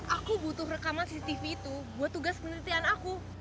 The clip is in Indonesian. aku butuh rekaman cctv itu buat tugas penelitian aku